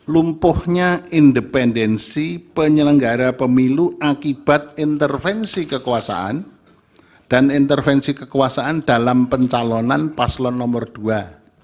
lumpuhnya independensi penyelenggara pemilu akibat intervensi kekuasaan dan intervensi kekuasaan dalam pencalonan paslon nomor dua